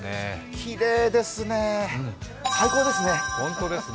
きれいですね、最高ですね。